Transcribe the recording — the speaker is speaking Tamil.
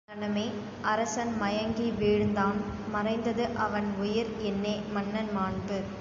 அங்ங்னமே அரசன் மயங்கி வீழ்ந்தான் மறைந்தது அவன் உயிர் என்னே மன்னன் மாண்பு!